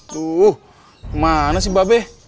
tuh kemana sih mbak be